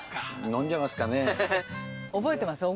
飲んじゃいますかね。